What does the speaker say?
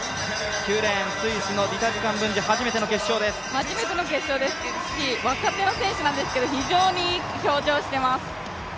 ９レーン、スイスのディタジ・カンブンジ、初めての決勝ですし、若手の選手ですけど、非常にいい表情をしています。